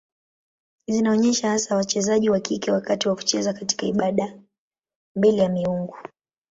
Zinaonyesha hasa wachezaji wa kike wakati wa kucheza katika ibada mbele ya miungu.